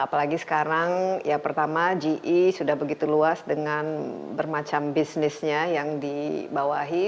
apalagi sekarang ya pertama ge sudah begitu luas dengan bermacam bisnisnya yang dibawahi